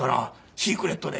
シークレットで」。